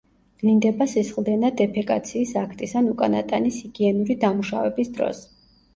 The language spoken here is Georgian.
ვლინდება სისხლდენა დეფეკაციის აქტის ან უკანა ტანის ჰიგიენური დამუშავების დროს.